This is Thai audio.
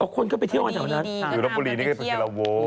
อ๋อคนก็ไปเที่ยวกันจากวันนั้นดีอยู่รับบุรีนี่ก็คือเมืองละโว้